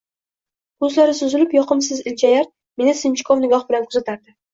Ko`zlari suzilib, yoqimsiz iljayar, meni sinchkov nigoh bilan kuzatardi